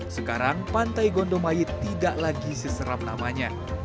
sekarang pantai gondomay tidak lagi seseram namanya